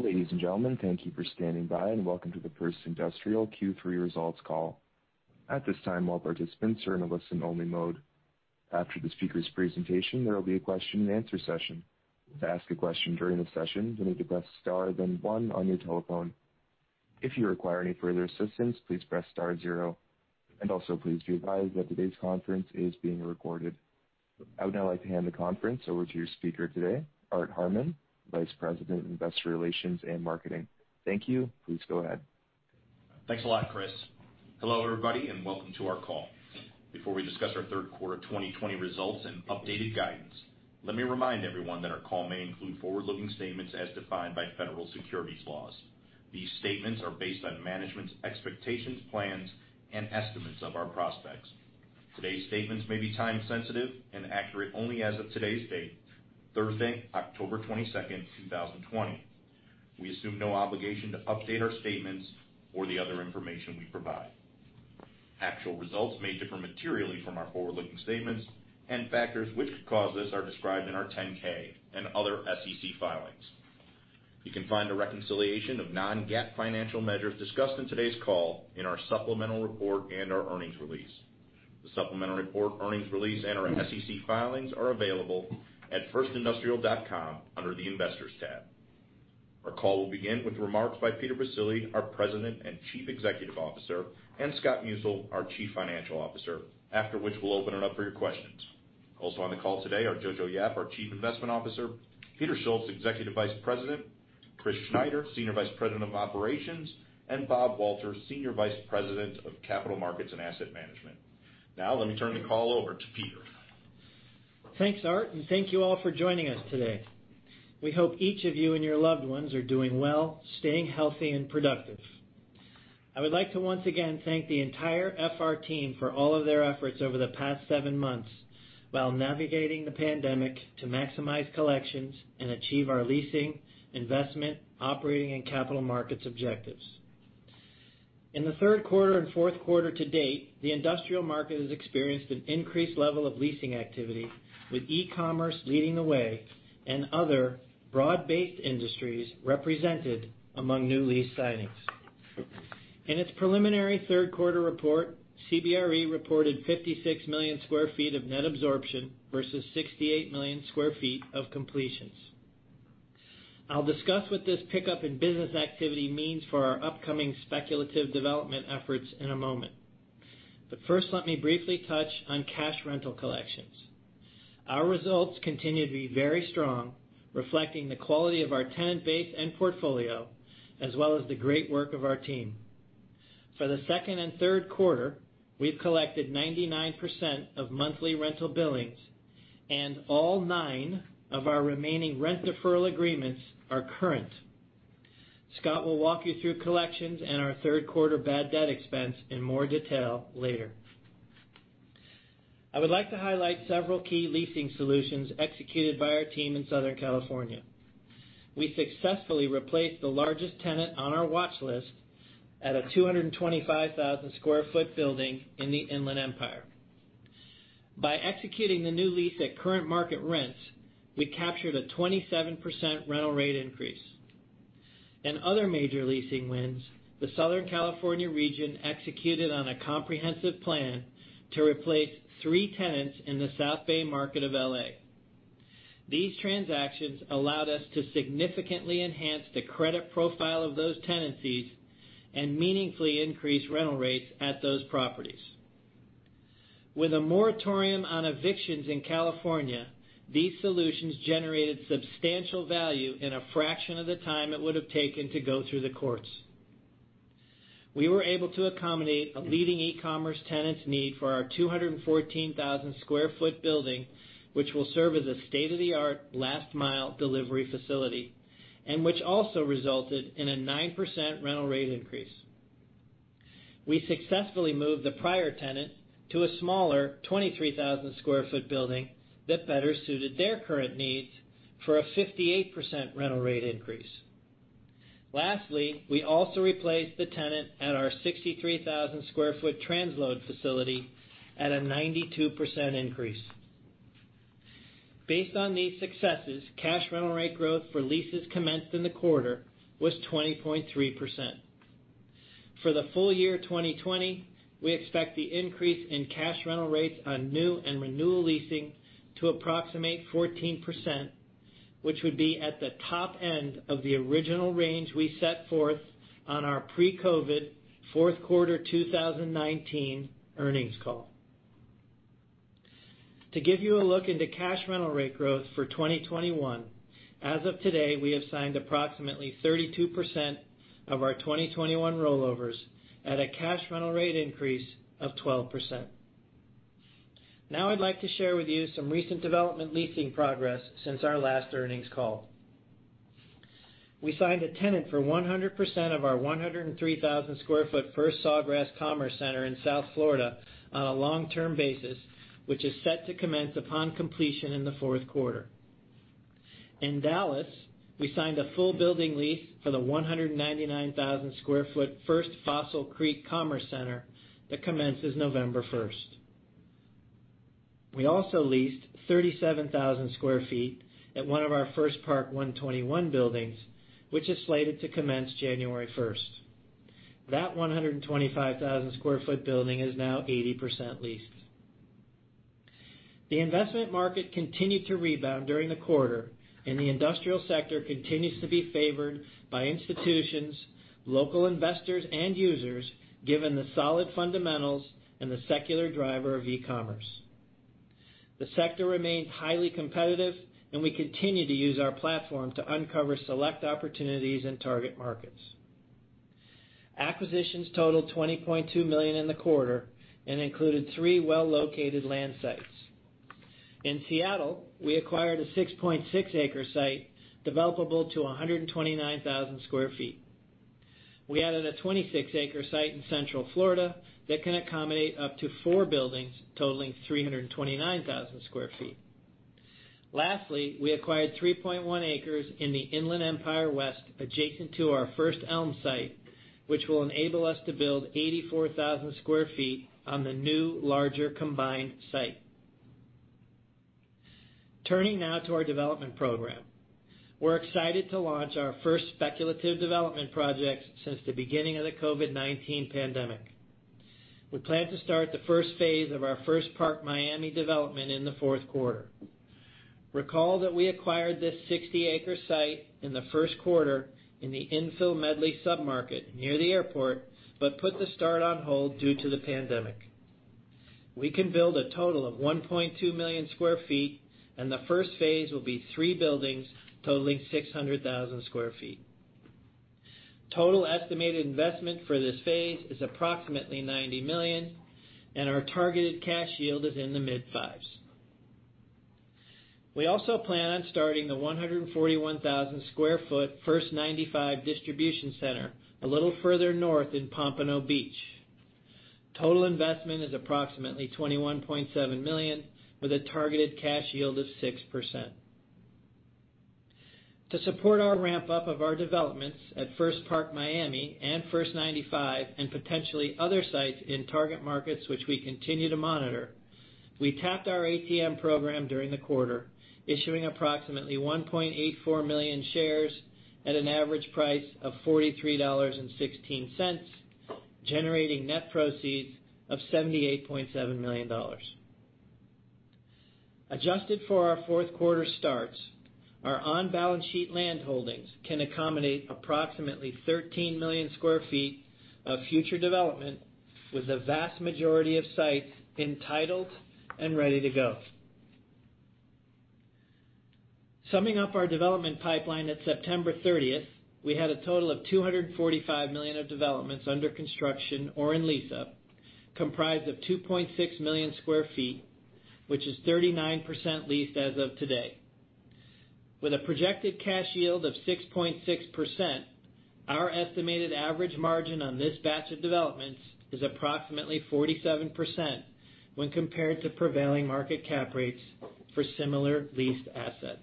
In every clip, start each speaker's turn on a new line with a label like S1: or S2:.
S1: Ladies and gentlemen, thank you for standing by, and Welcome to the First Industrial Q3 results call. At this time, all participants are in a listen-only mode. After the speakers presentation, there will be a question and answer session. To ask a question during the session, you need to press star then one on your telephone. If you require any further assistance, please press star zero Also, please be advised that today's conference is being recorded. I would now like to hand the conference over to your speaker today, Art Harmon, Senior Vice President, Investor Relations and Marketing. Thank you. Please go ahead.
S2: Thanks a lot, Chris. Hello, everybody, welcome to our call. Before we discuss our third quarter 2020 results and updated guidance, let me remind everyone that our call may include forward-looking statements as defined by federal securities laws. These statements are based on management's expectations, plans, and estimates of our prospects. Today's statements may be time sensitive and accurate only as of today's date, Thursday, October 22nd, 2020. We assume no obligation to update our statements or the other information we provide. Actual results may differ materially from our forward-looking statements, and factors which could cause this are described in our 10-K and other SEC filings. You can find a reconciliation of non-GAAP financial measures discussed in today's call in our supplemental report and our earnings release. The supplementary report, earnings release, and our SEC filings are available at firstindustrial.com under the Investors tab. Our call will begin with remarks by Peter Baccile, our President and Chief Executive Officer, and Scott Musil, our Chief Financial Officer, after which we'll open it up for your questions. Also on the call today are Jojo Yap, our Chief Investment Officer, Peter Schultz, Executive Vice President, Chris Schneider, Senior Vice President of Operations, and Bob Walter, Senior Vice President of Capital Markets and Asset Management. Now, let me turn the call over to Peter.
S3: Thanks, Art. Thank you all for joining us today. We hope each of you and your loved ones are doing well, staying healthy and productive. I would like to once again thank the entire FR team for all of their efforts over the past seven months while navigating the pandemic to maximize collections and achieve our leasing, investment, operating, and capital markets objectives. In the third quarter and fourth quarter to date, the industrial market has experienced an increased level of leasing activity, with e-commerce leading the way and other broad-based industries represented among new lease signings. In its preliminary third quarter report, CBRE reported 56 million sq ft of net absorption versus 68 million sq ft of completions. I'll discuss what this pickup in business activity means for our upcoming speculative development efforts in a moment. First, let me briefly touch on cash rental collections. Our results continue to be very strong, reflecting the quality of our tenant base and portfolio as well as the great work of our team. For the second and third quarter, we've collected 99% of monthly rental billings, and all nine of our remaining rent deferral agreements are current. Scott will walk you through collections and our third quarter bad debt expense in more detail later. I would like to highlight several key leasing solutions executed by our team in Southern California. We successfully replaced the largest tenant on our watch list at a 225,000 sq ft building in the Inland Empire. By executing the new lease at current market rents, we captured a 27% rental rate increase. In other major leasing wins, the Southern California region executed on a comprehensive plan to replace three tenants in the South Bay market of L.A. These transactions allowed us to significantly enhance the credit profile of those tenancies and meaningfully increase rental rates at those properties. With a moratorium on evictions in California, these solutions generated substantial value in a fraction of the time it would have taken to go through the courts. We were able to accommodate a leading e-commerce tenant's need for our 214,000 sq ft building, which will serve as a state-of-the-art last mile delivery facility, and which also resulted in a 9% rental rate increase. We successfully moved the prior tenant to a smaller 23,000 sq ft building that better suited their current needs for a 58% rental rate increase. Lastly, we also replaced the tenant at our 63,000 sq ft transload facility at a 92% increase. Based on these successes, cash rental rate growth for leases commenced in the quarter was 20.3%. For the full year 2020, we expect the increase in cash rental rates on new and renewal leasing to approximate 14%, which would be at the top end of the original range we set forth on our pre-COVID fourth quarter 2019 earnings call. To give you a look into cash rental rate growth for 2021, as of today, we have signed approximately 32% of our 2021 rollovers at a cash rental rate increase of 12%. I'd like to share with you some recent development leasing progress since our last earnings call. We signed a tenant for 100% of our 103,000 sq ft First Sawgrass Commerce Center in South Florida on a long-term basis, which is set to commence upon completion in the fourth quarter. In Dallas, we signed a full building lease for the 199,000 sq ft First Fossil Creek Commerce Center that commences November 1st. We also leased 37,000 sq ft at one of our First Park 121 buildings, which is slated to commence January 1st. That 125,000 sq ft building is now 80% leased. The investment market continued to rebound during the quarter, and the industrial sector continues to be favored by institutions, local investors, and users, given the solid fundamentals and the secular driver of e-commerce. The sector remains highly competitive, and we continue to use our platform to uncover select opportunities in target markets. Acquisitions totaled $20.2 million in the quarter and included three well-located land sites. In Seattle, we acquired a 6.6-acre site developable to 129,000 sq ft. We added a 26-acre site in Central Florida that can accommodate up to four buildings totaling 329,000 sq ft. Lastly, we acquired 3.1 acres in the Inland Empire West adjacent to our First Elm site, which will enable us to build 84,000 sq ft on the new larger combined site. Turning now to our development program. We're excited to launch our first speculative development project since the beginning of the COVID-19 pandemic. We plan to start the first phase of our First Park Miami development in the fourth quarter. Recall that we acquired this 60-acre site in the first quarter in the infill Medley submarket near the airport, but put the start on hold due to the pandemic. We can build a total of 1.2 million sq ft, and the first phase will be three buildings totaling 600,000 sq ft. Total estimated investment for this phase is approximately $190 million, and our targeted cash yield is in the mid-fives. We also plan on starting the 141,000 sq ft First 95 Distribution Center a little further north in Pompano Beach. Total investment is approximately $21.7 million, with a targeted cash yield of 6%. To support our ramp-up of our developments at First Park Miami and First 95 Distribution Center, and potentially other sites in target markets which we continue to monitor, we tapped our ATM program during the quarter, issuing approximately 1.84 million shares at an average price of $43.16, generating net proceeds of $78.7 million. Adjusted for our fourth quarter starts, our on-balance sheet land holdings can accommodate approximately 13 million sq ft of future development, with the vast majority of sites entitled and ready to go. Summing up our development pipeline at September 30, we had a total of $245 million of developments under construction or in lease-up, comprised of 2.6 million sq ft, which is 39% leased as of today. With a projected cash yield of 6.6%, our estimated average margin on this batch of developments is approximately 47% when compared to prevailing market cap rates for similar leased assets.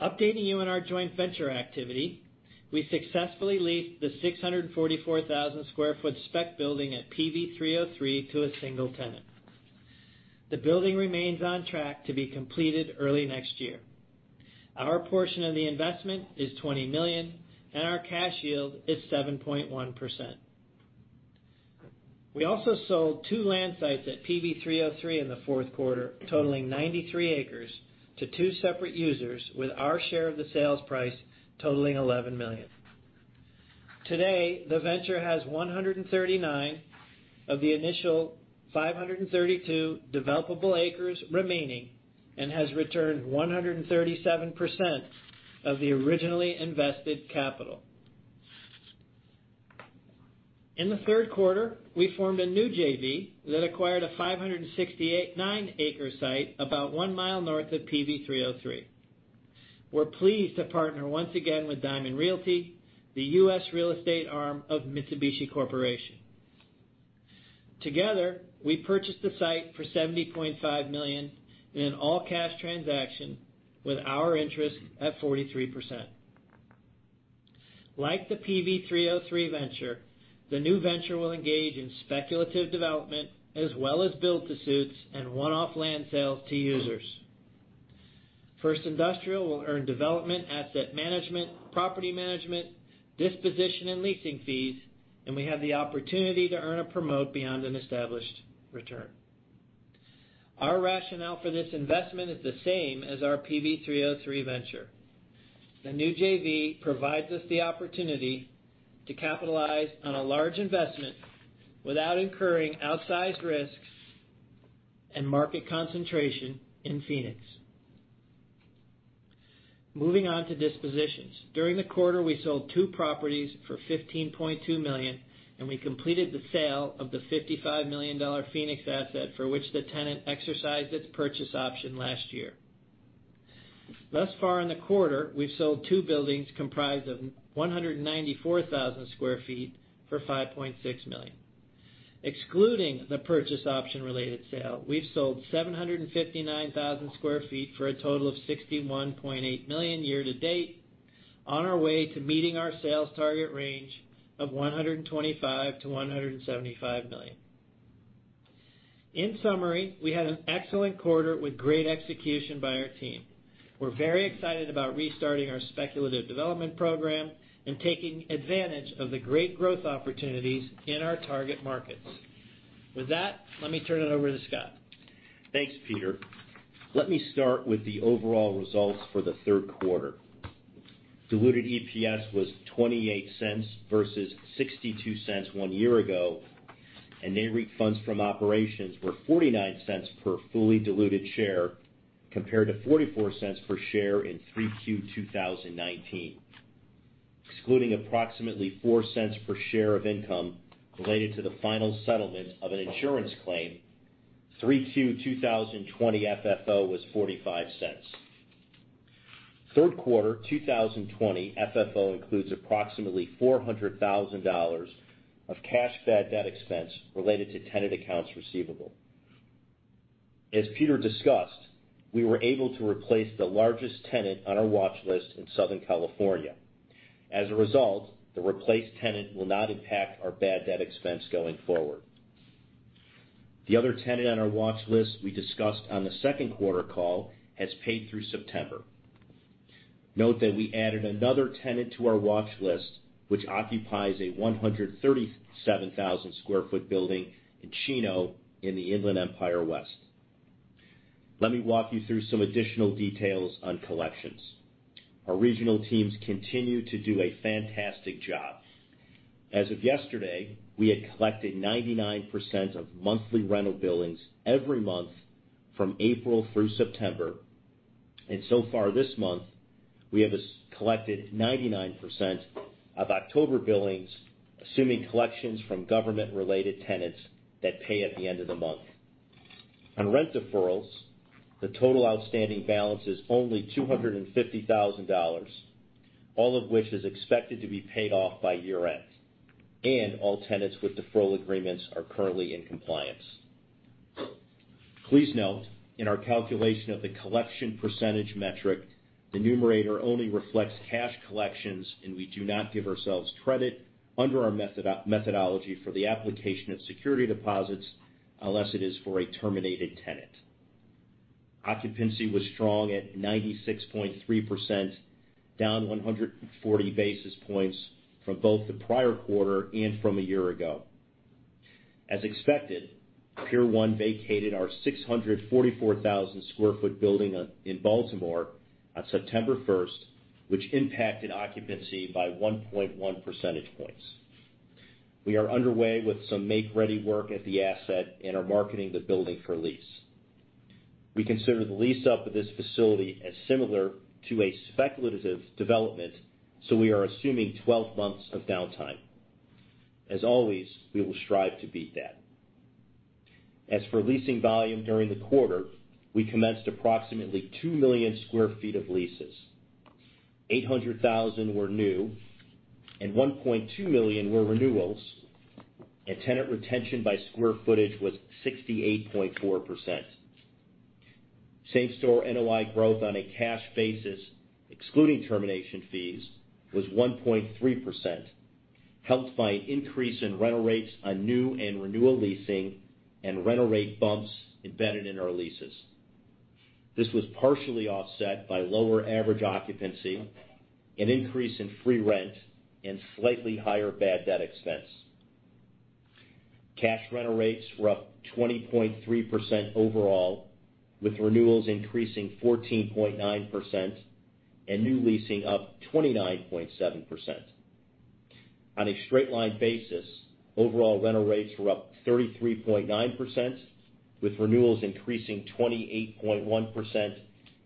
S3: Updating you on our joint venture activity, we successfully leased the 644,000 sq ft spec building at PV|303 Business Park to a single tenant. The building remains on track to be completed early next year. Our portion of the investment is $20 million, and our cash yield is 7.1%. We also sold two land sites at PV|303 Business Park in the fourth quarter, totaling 93 acres to two separate users, with our share of the sales price totaling $11 million. Today, the venture has 139 of the initial 532 developable acres remaining and has returned 137% of the originally invested capital. In the third quarter, we formed a new JV that acquired a 569-acre site about one mile north of PV|303. We're pleased to partner once again with Diamond Realty, the U.S. real estate arm of Mitsubishi Corporation. Together, we purchased the site for $70.5 million in an all-cash transaction with our interest at 43%. Like the PV|303 venture, the new venture will engage in speculative development as well as build-to-suits and one-off land sales to users. First Industrial will earn development asset management, property management, disposition, and leasing fees, and we have the opportunity to earn a promote beyond an established return. Our rationale for this investment is the same as our PV|303 venture. The new JV provides us the opportunity to capitalize on a large investment without incurring outsized risks and market concentration in Phoenix. Moving on to dispositions. During the quarter, we sold two properties for $15.2 million, and we completed the sale of the $55 million Phoenix asset for which the tenant exercised its purchase option last year. Thus far in the quarter, we've sold two buildings comprised of 194,000 sq ft for $5.6 million. Excluding the purchase option related sale, we've sold 759,000 sq ft for a total of $61.8 million year to date. On our way to meeting our sales target range of $125 million-$175 million. In summary, we had an excellent quarter with great execution by our team. We're very excited about restarting our speculative development program and taking advantage of the great growth opportunities in our target markets. With that, let me turn it over to Scott.
S4: Thanks, Peter. Let me start with the overall results for the third quarter. Diluted EPS was $0.28 versus $0.62 one year ago, and NAREIT funds from operations were $0.49 per fully diluted share, compared to $0.44 per share in Q3 2019. Excluding approximately $0.04 per share of income related to the final settlement of an insurance claim, Q3 2020 FFO was $0.45. Third quarter 2020 FFO includes approximately $400,000 of cash bad debt expense related to tenant accounts receivable. As Peter discussed, we were able to replace the largest tenant on our watch list in Southern California. As a result, the replaced tenant will not impact our bad debt expense going forward. The other tenant on our watch list we discussed on the second quarter call has paid through September. Note that we added another tenant to our watch list, which occupies a 137,000 sq ft building in Chino in the Inland Empire West. Let me walk you through some additional details on collections. Our regional teams continue to do a fantastic job. As of yesterday, we had collected 99% of monthly rental billings every month from April through September. So far this month, we have collected 99% of October billings, assuming collections from government-related tenants that pay at the end of the month. On rent deferrals, the total outstanding balance is only $250,000, all of which is expected to be paid off by year-end, and all tenants with deferral agreements are currently in compliance. Please note, in our calculation of the collection percentage metric, the numerator only reflects cash collections, and we do not give ourselves credit under our methodology for the application of security deposits unless it is for a terminated tenant. Occupancy was strong at 96.3%, down 140 basis points from both the prior quarter and from a year ago. As expected, Pier 1 vacated our 644,000 sq ft building in Baltimore on September 1st, which impacted occupancy by 1.1 percentage points. We are underway with some make-ready work at the asset and are marketing the building for lease. We consider the lease up of this facility as similar to a speculative development, so we are assuming 12 months of downtime. As always, we will strive to beat that. For leasing volume during the quarter, we commenced approximately 2 million sq ft of leases. 800,000 were new and 1.2 million were renewals, and tenant retention by square footage was 68.4%. Same store NOI growth on a cash basis, excluding termination fees, was 1.3%, helped by an increase in rental rates on new and renewal leasing and rental rate bumps embedded in our leases. This was partially offset by lower average occupancy, an increase in free rent, and slightly higher bad debt expense. Cash rental rates were up 20.3% overall, with renewals increasing 14.9% and new leasing up 29.7%. On a straight-line basis, overall rental rates were up 33.9%, with renewals increasing 28.1%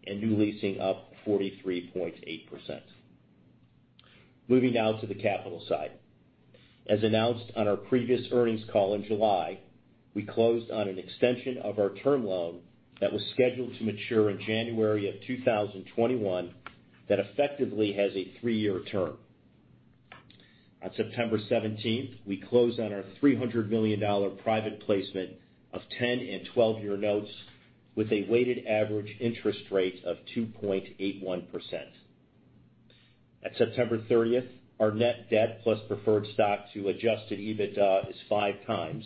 S4: and new leasing up 43.8%. Moving now to the capital side. As announced on our previous earnings call in July, we closed on an extension of our term loan that was scheduled to mature in January of 2021 that effectively has a three-year term. On September 17th, we closed on our $300 million private placement of 10 and 12-year notes with a weighted average interest rate of 2.81%. At September 30th, our net debt plus preferred stock to adjusted EBITDA is five times.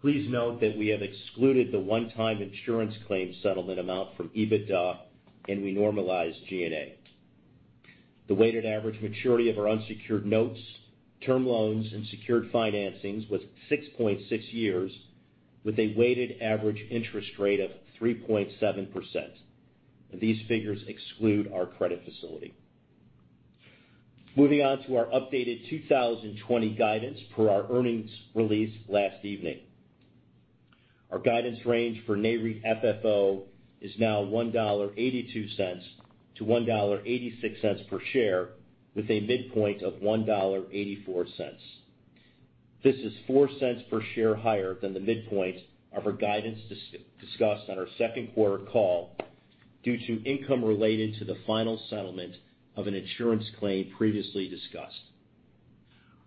S4: Please note that we have excluded the one-time insurance claim settlement amount from EBITDA, and we normalized G&A. The weighted average maturity of our unsecured notes, term loans, and secured financings was 6.6 years with a weighted average interest rate of 3.7%. These figures exclude our credit facility. Moving on to our updated 2020 guidance per our earnings release last evening. Our guidance range for NAREIT FFO is now $1.82 to $1.86 per share with a midpoint of $1.84. This is $0.04 per share higher than the midpoint of our guidance discussed on our second quarter call due to income related to the final settlement of an insurance claim previously discussed.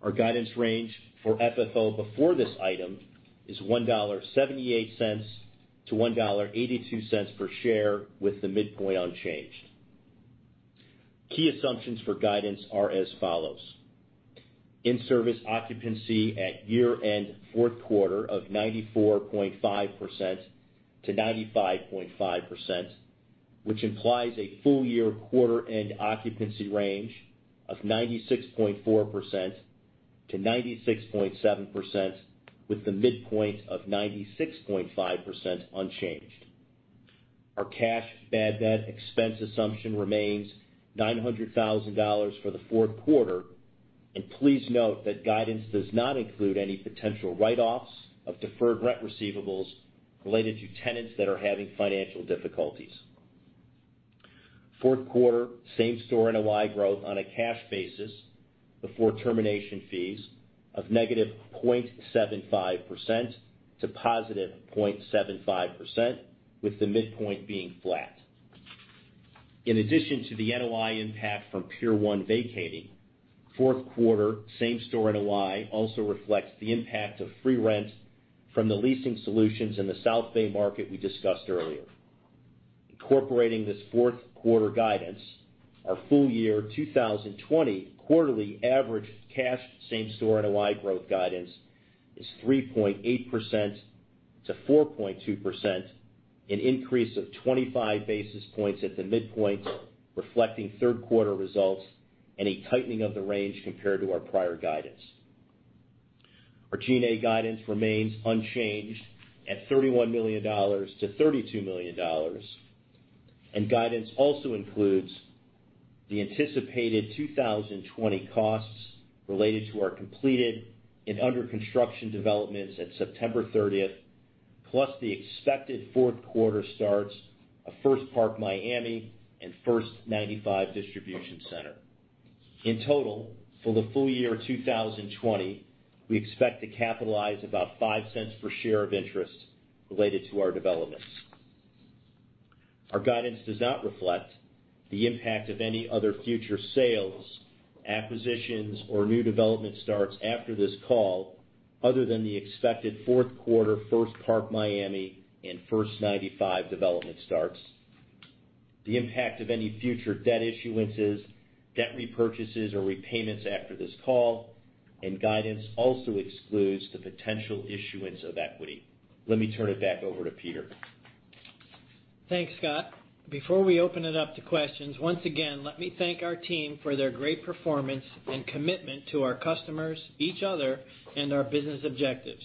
S4: Our guidance range for FFO before this item is $1.78-$1.82 per share with the midpoint unchanged. Key assumptions for guidance are as follows. In-service occupancy at year-end fourth quarter of 94.5%-95.5%, which implies a full-year quarter end occupancy range of 96.4%-96.7% with the midpoint of 96.5% unchanged. Our cash bad debt expense assumption remains $900,000 for the fourth quarter. Please note that guidance does not include any potential write-offs of deferred rent receivables related to tenants that are having financial difficulties. Fourth quarter same store NOI growth on a cash basis before termination fees of -0.75% to +0.75%, with the midpoint being flat. In addition to the NOI impact from Pier 1 vacating, fourth quarter same store NOI also reflects the impact of free rent from the leasing solutions in the South Bay market we discussed earlier. Incorporating this fourth quarter guidance, our full year 2020 quarterly average cash same store NOI growth guidance is 3.8%-4.2%, an increase of 25 basis points at the midpoint, reflecting third quarter results and a tightening of the range compared to our prior guidance. Our G&A guidance remains unchanged at $31 million-$32 million, and guidance also includes the anticipated 2020 costs related to our completed and under construction developments at September 30th, plus the expected fourth quarter starts of First Park Miami and First 95 Distribution Center. In total, for the full year 2020, we expect to capitalize about $0.05 per share of interest related to our developments. Our guidance does not reflect the impact of any other future sales, acquisitions, or new development starts after this call other than the expected fourth quarter First Park Miami and First 95 development starts. The impact of any future debt issuances, debt repurchases or repayments after this call, and guidance also excludes the potential issuance of equity. Let me turn it back over to Peter.
S3: Thanks, Scott. Before we open it up to questions, once again, let me thank our team for their great performance and commitment to our customers, each other, and our business objectives.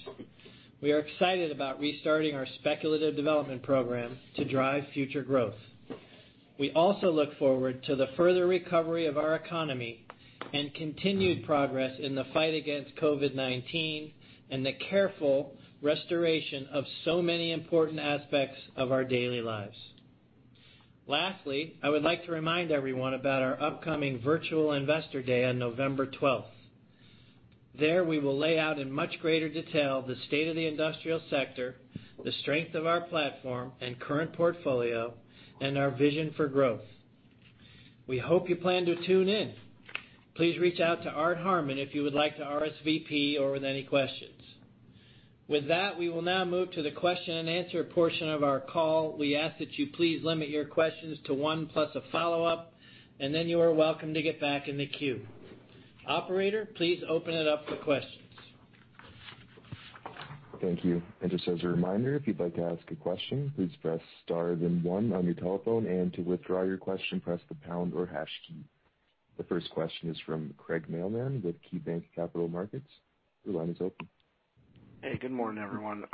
S3: We are excited about restarting our speculative development program to drive future growth. We also look forward to the further recovery of our economy and continued progress in the fight against COVID-19 and the careful restoration of so many important aspects of our daily lives. Lastly, I would like to remind everyone about our upcoming virtual investor day on November 12th. There, we will lay out in much greater detail the state of the industrial sector, the strength of our platform and current portfolio, and our vision for growth. We hope you plan to tune in. Please reach out to Art Harmon if you would like to RSVP or with any questions. With that, we will now move to the question and answer portion of our call. We ask that you please limit your questions to one plus a follow-up, and then you are welcome to get back in the queue. Operator, please open it up for questions.
S1: Thank you. Just as a reminder, if you'd like to ask a question, please press star then one on your telephone, and to withdraw your question, press the pound or hash key. The first question is from Craig Mailman with KeyBanc Capital Markets. Your line is open.
S5: Hey, good morning, everyone.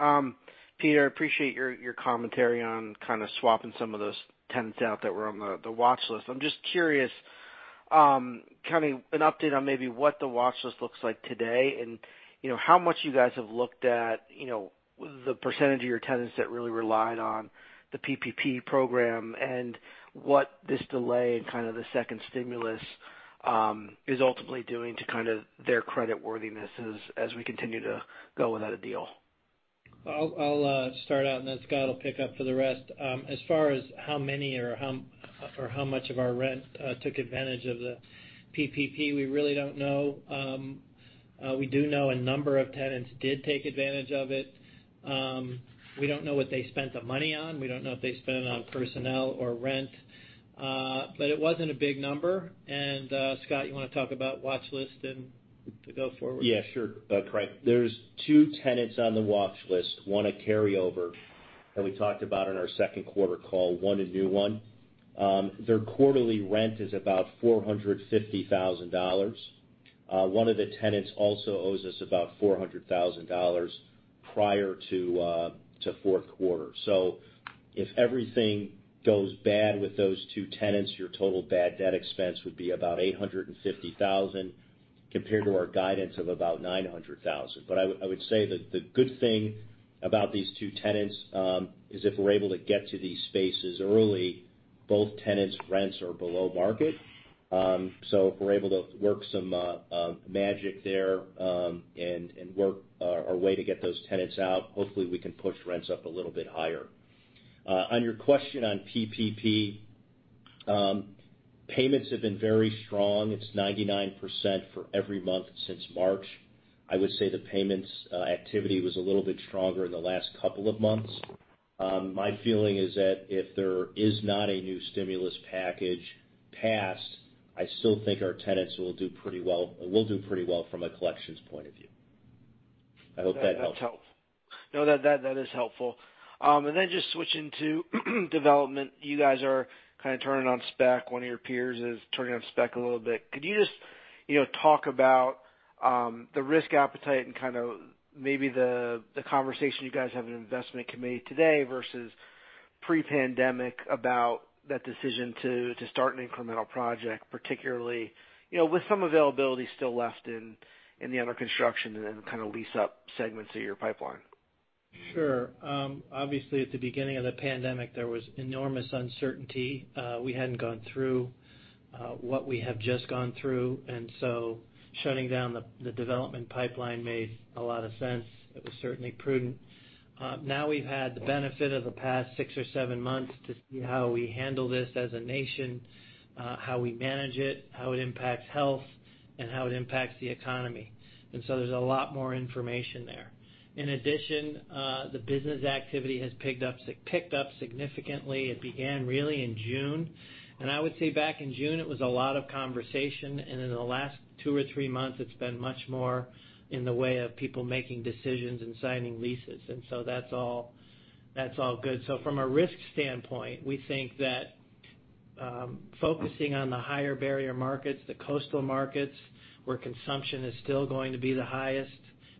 S5: Peter, I appreciate your commentary on kind of swapping some of those tenants out that were on the watch list. I'm just curious, kind of an update on maybe what the watch list looks like today and how much you guys have looked at the percentage of your tenants that really relied on the PPP program and what this delay in kind of the second stimulus is ultimately doing to kind of their creditworthiness as we continue to go without a deal?
S3: I'll start out, then Scott will pick up for the rest. As far as how many or how much of our rent took advantage of the PPP, we really don't know. We do know a number of tenants did take advantage of it. We don't know what they spent the money on. We don't know if they spent it on personnel or rent. It wasn't a big number, Scott, you want to talk about watch list and to go forward?
S4: Yeah, sure. Craig, there's two tenants on the watch list, one a carryover that we talked about on our second quarter call, one a new one. Their quarterly rent is about $450,000. One of the tenants also owes us about $400,000 prior to fourth quarter. If everything goes bad with those two tenants, your total bad debt expense would be about $850,000 compared to our guidance of about $900,000. I would say that the good thing about these two tenants is if we're able to get to these spaces early, both tenants rents are below market. If we're able to work some magic there and work our way to get those tenants out, hopefully we can push rents up a little bit higher. On your question on PPP payments have been very strong. It's 99% for every month since March. I would say the payments activity was a little bit stronger in the last couple of months. My feeling is that if there is not a new stimulus package passed, I still think our tenants will do pretty well from a collections point of view. I hope that helps.
S5: That's helpful. No, that is helpful. Just switching to development. You guys are kind of turning on spec. One of your peers is turning on spec a little bit. Could you just talk about the risk appetite and kind of maybe the conversation you guys have in investment committee today versus pre-pandemic about that decision to start an incremental project, particularly with some availability still left in the under construction and then kind of lease up segments of your pipeline?
S3: Sure. Obviously, at the beginning of the pandemic, there was enormous uncertainty. We hadn't gone through what we have just gone through, and so shutting down the development pipeline made a lot of sense. It was certainly prudent. Now we've had the benefit of the past six or seven months to see how we handle this as a nation, how we manage it, how it impacts health, and how it impacts the economy. There's a lot more information there. In addition, the business activity has picked up significantly. It began really in June. I would say back in June, it was a lot of conversation, and in the last two or three months, it's been much more in the way of people making decisions and signing leases. That's all good. From a risk standpoint, we think that focusing on the higher barrier markets, the coastal markets, where consumption is still going to be the highest,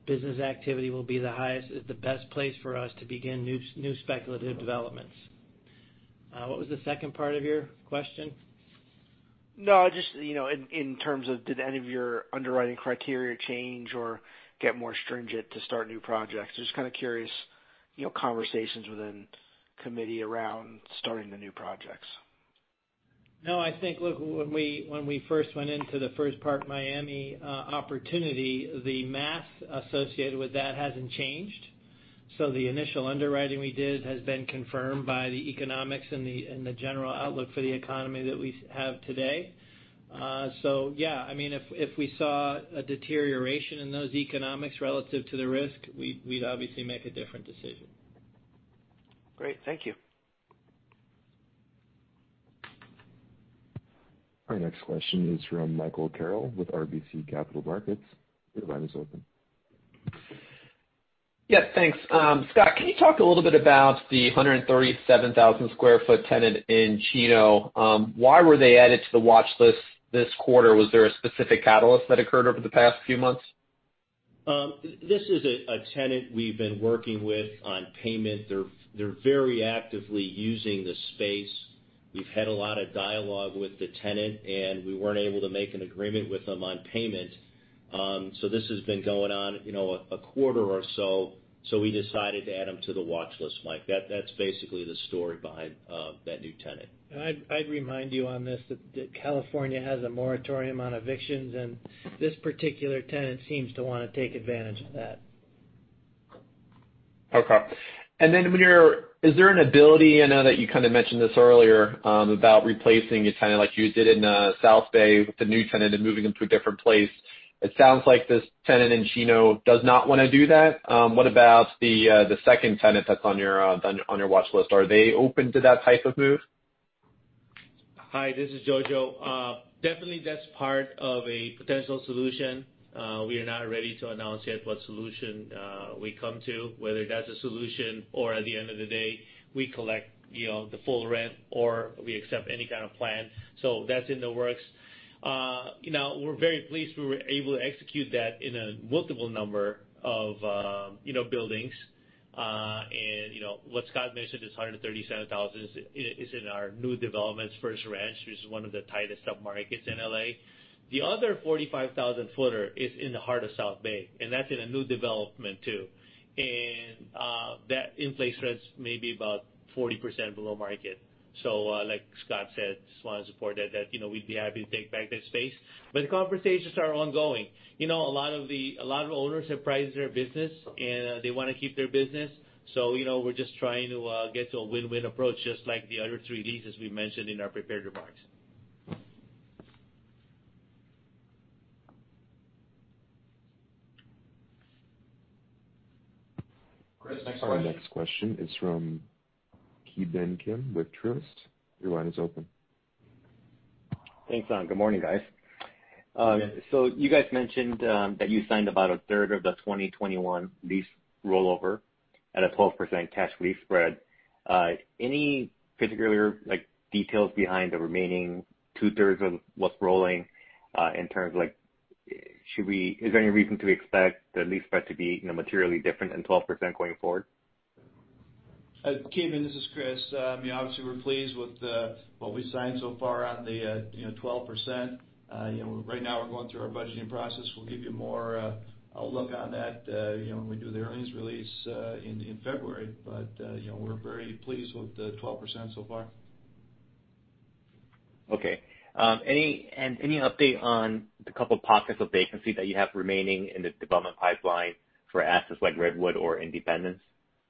S3: business activity will be the highest, is the best place for us to begin new speculative developments. What was the second part of your question?
S5: No, just in terms of did any of your underwriting criteria change or get more stringent to start new projects? Just kind of curious conversations within committee around starting the new projects.
S3: I think, look, when we first went into the First Park Miami opportunity, the math associated with that hasn't changed. The initial underwriting we did has been confirmed by the economics and the general outlook for the economy that we have today. Yeah, if we saw a deterioration in those economics relative to the risk, we'd obviously make a different decision.
S5: Great. Thank you.
S1: Our next question is from Michael Carroll with RBC Capital Markets. Your line is open.
S6: Yeah, thanks. Scott, can you talk a little bit about the 137,000sq ft tenant in Chino? Why were they added to the watch list this quarter? Was there a specific catalyst that occurred over the past few months?
S4: This is a tenant we've been working with on payment. They're very actively using the space. We've had a lot of dialogue with the tenant, we weren't able to make an agreement with them on payment. This has been going on a quarter or so, we decided to add them to the watch list, Mike. That's basically the story behind that new tenant.
S3: I'd remind you on this that California has a moratorium on evictions, and this particular tenant seems to want to take advantage of that.
S6: Okay. Is there an ability, I know that you kind of mentioned this earlier, about replacing a tenant like you did in South Bay with the new tenant and moving them to a different place. It sounds like this tenant in Chino does not want to do that. What about the second tenant that's on your watch list? Are they open to that type of move?
S7: Hi, this is Jojo. Definitely that's part of a potential solution. We are not ready to announce yet what solution we come to, whether that's a solution or at the end of the day, we collect the full rent or we accept any kind of plan. That's in the works. We're very pleased we were able to execute that in a multiple number of buildings. What Scott mentioned is 137,000 is in our new developments, First Ranch, which is one of the tightest sub-markets in L.A. The other 45,000 footer is in the heart of South Bay, and that's in a new development too. That in place rent's maybe about 40% below market. Like Scott said, just want to support that we'd be happy to take back that space. The conversations are ongoing. A lot of owners have prized their business, and they want to keep their business. We're just trying to get to a win-win approach, just like the other three leases we mentioned in our prepared remarks.
S3: Chris, next question.
S1: Our next question is from Ki Bin Kim with Truist. Your line is open.
S8: Thanks. Good morning, guys. You guys mentioned that you signed about a third of the 2021 lease rollover at a 12% cash lease spread. Any particular details behind the remaining 2/3 of what's rolling in terms of is there any reason to expect the lease spread to be materially different than 12% going forward?
S9: Ki Bin, this is Chris. We're pleased with what we signed so far on the 12%. Right now we're going through our budgeting process. We'll give you more outlook on that when we do the earnings release in February. We're very pleased with the 12% so far.
S8: Okay. Any update on the couple pockets of vacancy that you have remaining in the development pipeline for assets like Redwood or Independence?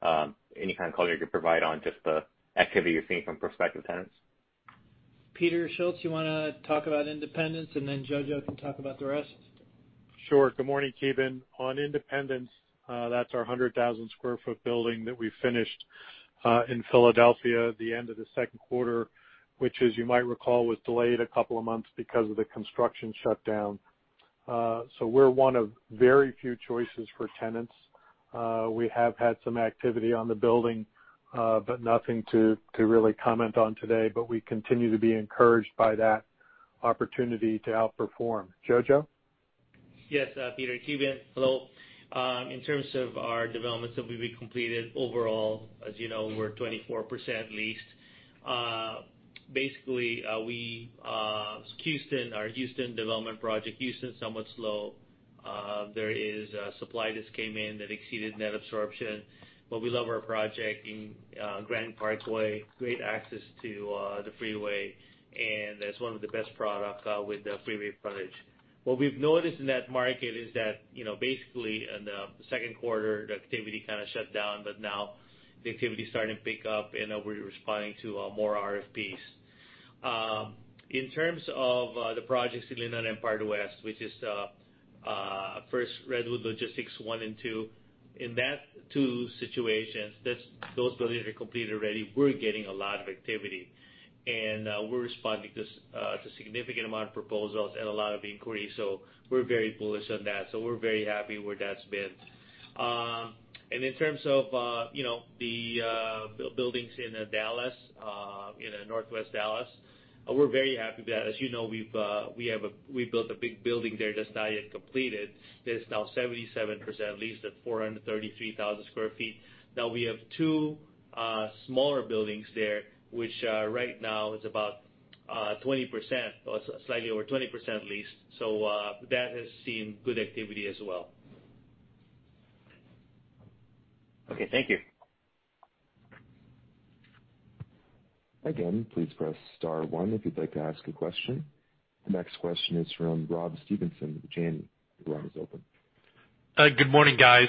S8: Any kind of color you could provide on just the activity you're seeing from prospective tenants?
S3: Peter Schultz, you want to talk about Independence, and then Jojo can talk about the rest?
S10: Sure. Good morning, Ki Bin. On Independence, that's our 100,000 sq ft building that we finished in Philadelphia at the end of the second quarter, which as you might recall, was delayed a couple of months because of the construction shutdown. We're one of very few choices for tenants. We have had some activity on the building, but nothing to really comment on today. We continue to be encouraged by that opportunity to outperform. Jojo?
S7: Yes, Peter. Ki Bin, hello. In terms of our developments that we completed overall, as you know, we're 24% leased. Basically, our Houston development project. Houston's somewhat slow. There is supply that's came in that exceeded net absorption. We love our project in Grand Parkway. Great access to the freeway, that's one of the best product with the freeway frontage. What we've noticed in that market is that, basically in the second quarter, the activity kind of shut down, now the activity's starting to pick up, we're responding to more RFPs. In terms of the projects in Linden and Park West, which is First Redwood Logistics one and two. In that two situations, those buildings are completed already. We're getting a lot of activity. We're responding to significant amount of proposals and a lot of inquiries, we're very bullish on that. We're very happy where that's been. In terms of the buildings in Dallas, in Northwest Dallas, we're very happy that as you know, we built a big building there that's not yet completed. That's now 77% leased at 433,000 sq ft. We have two smaller buildings there, which right now is about 20%, or slightly over 20% leased. That has seen good activity as well.
S8: Okay, thank you.
S1: Again, please press star one if you'd like to ask a question. The next question is from Rob Stevenson with Janney Montgomery Scott. Your line is open.
S11: Good morning, guys.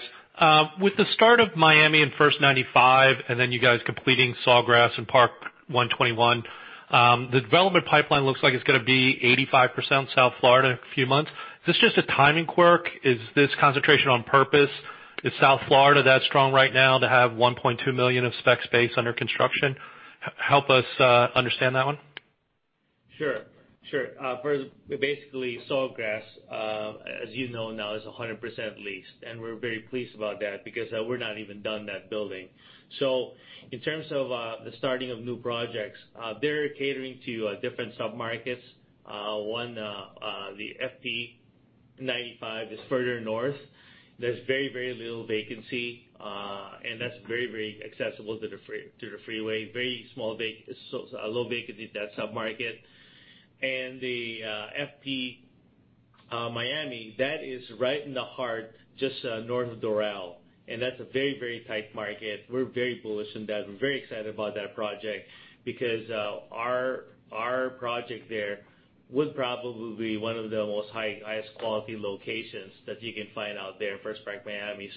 S11: With the start of First Park Miami and First 95, and then you guys completing Sawgrass and Park 121, the development pipeline looks like it is going to be 85% South Florida in a few months. Is this just a timing quirk? Is this concentration on purpose? Is South Florida that strong right now to have $1.2 million of spec space under construction? Help us understand that one.
S7: Sure. First, basically, Sawgrass, as you know now, is 100% leased. We're very pleased about that because we're not even done that building. In terms of the starting of new projects, they're catering to different submarkets. One, the First 95 is further north. There's very, very little vacancy. That's very, very accessible to the freeway. Very low vacancy at that submarket. The FP Miami, that is right in the heart, just north of Doral. That's a very, very tight market. We're very bullish on that. We're very excited about that project because our project there would probably be one of the most highest quality locations that you can find out there in First Park Miami.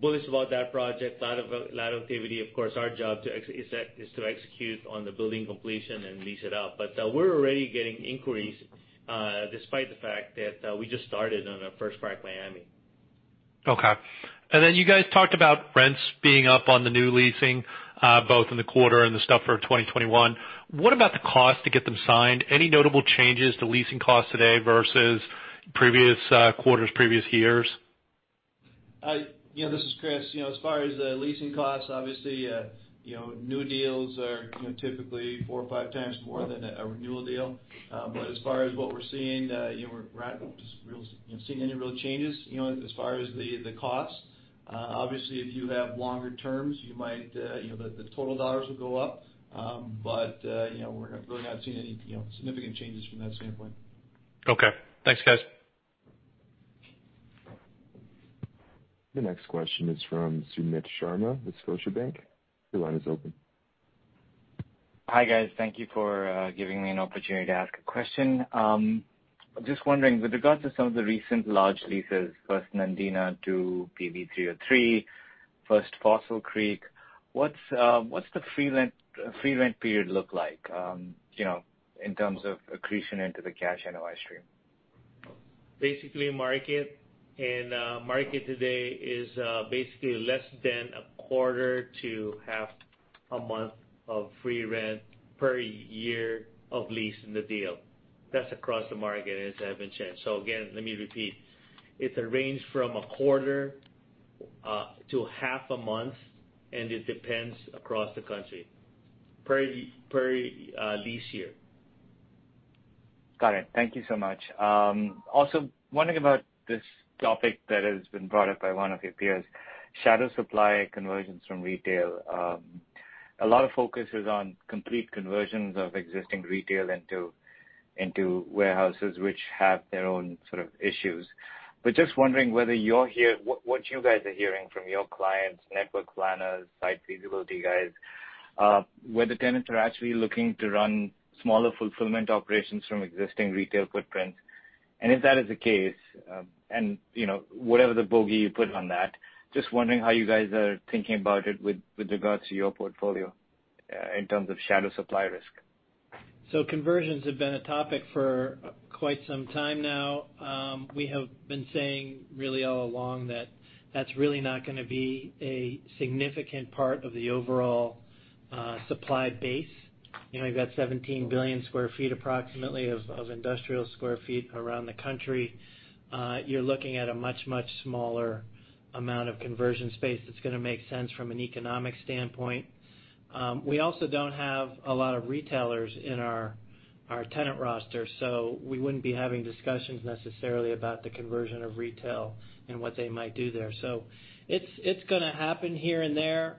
S7: Bullish about that project. A lot of activity. Of course, our job is to execute on the building completion and lease it out. We're already getting inquiries, despite the fact that we just started on our First Park Miami.
S11: Okay. You guys talked about rents being up on the new leasing, both in the quarter and the stuff for 2021. What about the cost to get them signed? Any notable changes to leasing costs today versus previous quarters, previous years?
S9: This is Chris. As far as the leasing costs, obviously, new deals are typically four or five times more than a renewal deal. As far as what we're seeing, we're not seeing any real changes as far as the cost. Obviously, if you have longer terms, the total dollars will go up. We're really not seeing any significant changes from that standpoint.
S11: Okay. Thanks, guys.
S1: The next question is from Sumit Sharma with Scotiabank. Your line is open.
S12: Hi, guys. Thank you for giving me an opportunity to ask a question. Just wondering with regards to some of the recent large leases, First Nandina to PV|303, First Fossil Creek, what's the free rent period look like in terms of accretion into the cash NOI stream?
S7: Basically market. Market today is basically less than a quarter to half a month of free rent per year of leasing the deal. That's across the market, and it hasn't changed. Again, let me repeat. It's a range from a quarter to half a month, and it depends across the country per lease year.
S12: Got it. Thank you so much. Wondering about this topic that has been brought up by one of your peers, shadow supply conversions from retail. A lot of focus is on complete conversions of existing retail into warehouses which have their own sort of issues. Just wondering what you guys are hearing from your clients, network planners, site feasibility guys? Where the tenants are actually looking to run smaller fulfillment operations from existing retail footprints. If that is the case, and whatever the bogey you put on that, just wondering how you guys are thinking about it with regards to your portfolio, in terms of shadow supply risk?
S3: Conversions have been a topic for quite some time now. We have been saying really all along that that's really not going to be a significant part of the overall supply base. We've got 17 billion sq ft approximately of industrial sq ft around the country. You're looking at a much, much smaller amount of conversion space that's going to make sense from an economic standpoint. We also don't have a lot of retailers in our tenant roster, so we wouldn't be having discussions necessarily about the conversion of retail and what they might do there. It's going to happen here and there.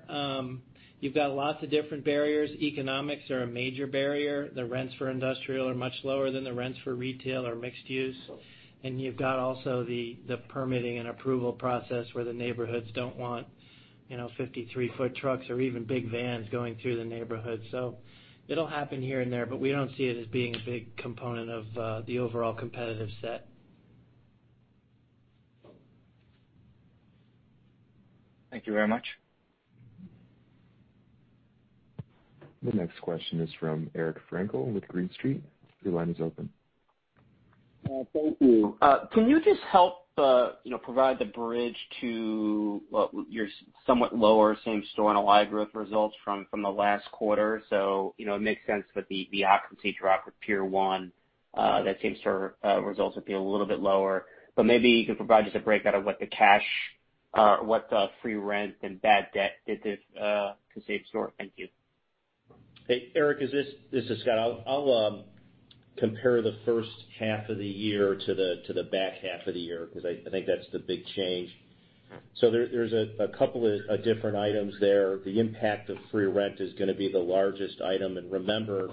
S3: You've got lots of different barriers. Economics are a major barrier. The rents for industrial are much lower than the rents for retail or mixed-use. You've got also the permitting and approval process where the neighborhoods don't want 53-foot trucks or even big vans going through the neighborhood. It'll happen here and there, but we don't see it as being a big component of the overall competitive set.
S12: Thank you very much.
S1: The next question is from Eric Frankel with Green Street. Your line is open.
S13: Thank you. Can you just help provide the bridge to your somewhat lower same-store NOI growth results from the last quarter? It makes sense that the occupancy drop with Pier 1, that same-store results would be a little bit lower. Maybe you could provide just a breakout of what the cash, what the free rent and bad debt did to same-store. Thank you.
S4: Hey, Eric, this is Scott. I'll compare the first half of the year to the back half of the year, because I think that's the big change. There's a couple of different items there. The impact of free rent is going to be the largest item. Remember,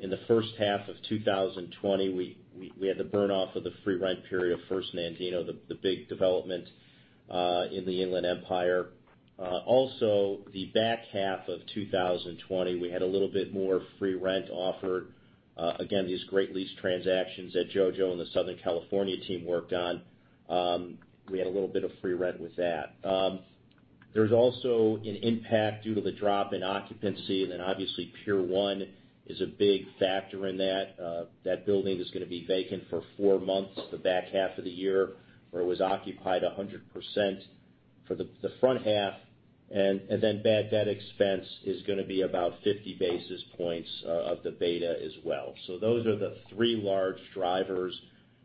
S4: in the first half of 2020, we had the burn-off of the free rent period of First Nandina, the big development in the Inland Empire. Also, the back half of 2020, we had a little bit more free rent offered. Again, these great lease transactions that Jojo and the Southern California team worked on. We had a little bit of free rent with that. There's also an impact due to the drop in occupancy, and then obviously Pier 1 is a big factor in that. That building is going to be vacant for four months the back half of the year, where it was occupied 100% for the front half. Bad debt expense is going to be about 50 basis points of the EBITDA as well. Those are the three large drivers